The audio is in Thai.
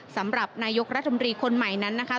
สำหรับนายกรัฐมนตรีคนใหม่นั้นนะคะ